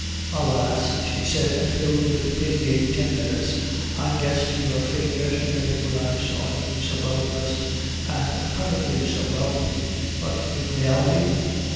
"Alas!" she said, filled with pitying tenderness. "I guessed your fate yesterday when I saw you so well dressed, and apparently so wealthy; but in reality?